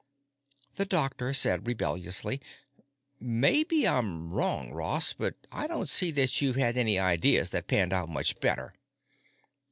The doctor said rebelliously, "Maybe I'm wrong, Ross, but I don't see that you've had any ideas than panned out much better."